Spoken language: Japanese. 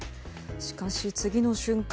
しかし、次の瞬間